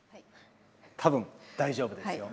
多分大丈夫ですよ。